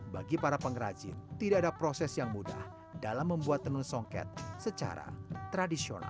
bagi para pengrajin tidak ada proses yang mudah dalam membuat tenun songket secara tradisional